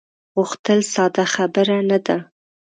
غوښتل ساده خبره نه ده.